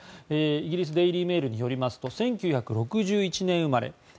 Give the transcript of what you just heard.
イギリスのデイリー・メールによりますと１９６１年生まれ。